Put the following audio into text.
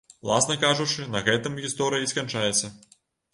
Уласна кажучы, на гэтым гісторыя і сканчаецца.